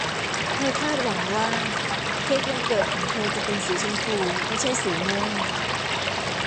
เธอคาดหวังว่าเค้กวันเกิดของเธอจะเป็นสีชมพูไม่ใช่สีม่วง